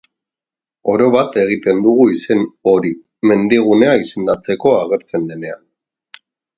Orobat egiten dugu izen hori mendigunea izendatzeko agertzen denean.